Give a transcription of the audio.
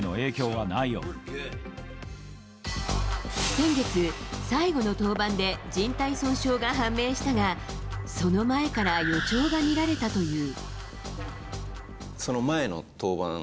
先月、最後の登板で、じん帯損傷が判明したが、その前から予兆が見られたという。